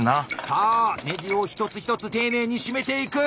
さあネジを一つ一つ丁寧に閉めていく。